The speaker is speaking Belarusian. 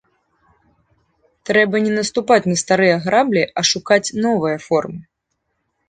Трэба не наступаць на старыя граблі, а шукаць новыя формы.